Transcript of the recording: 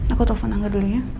aku telfon angga dulu ya